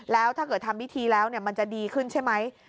แล้วถ้าเกิดทำพิธีแล้วมันจะดีขึ้นใช่ไหม